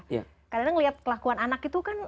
kadang kadang ngeliat kelakuan anak itu kan